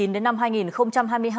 đến năm hai nghìn hai mươi hai